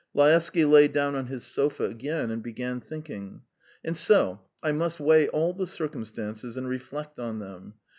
Laevsky lay down on his sofa again and began thinking: "And so I must weigh all the circumstances and reflect on them.